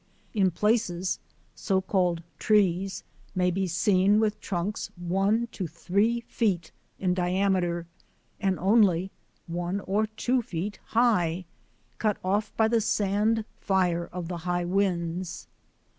In places so called trees may be seen with trunks one to three feet in diameter and only one or two feet high, cut off by the sand fire of the high winds.